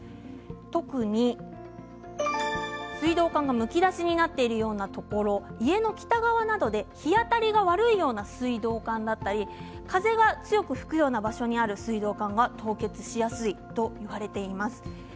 特に水道管がむき出しになっているようなところ家の北側などで日当たりが悪いような水道管だったり風が強く吹くような場所にある水道管が凍結しやすいといわれています。